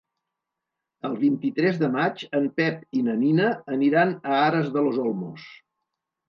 El vint-i-tres de maig en Pep i na Nina aniran a Aras de los Olmos.